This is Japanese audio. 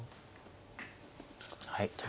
はい。